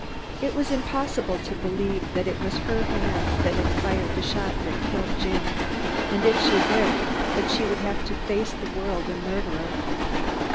It was impossible to believe that it was her hand that had fired the shot that killed Jim, and if she lived, that she would have to face the world a murderer.